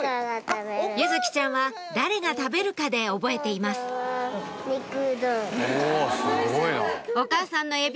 柚來ちゃんは誰が食べるかで覚えていますすごいな。